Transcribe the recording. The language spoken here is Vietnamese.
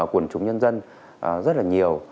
quần chúng nhân dân rất là nhiều